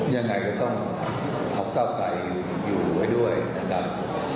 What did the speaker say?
ยังไงก็ต้องพักเก้าไกรอยู่ไว้ด้วยนะครับ